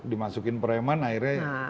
dimasukin preman akhirnya